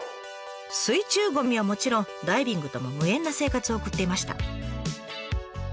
水中ゴミはもちろんダイビングとも無縁な生活を送っていました。